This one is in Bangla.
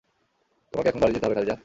তোমাকে এখন বাড়ি যেতে হবে, খাদিজাহ।